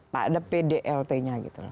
pak ada pdlt nya gitu loh